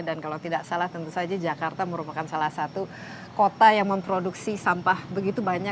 dan kalau tidak salah tentu saja jakarta merupakan salah satu kota yang memproduksi sampah begitu banyak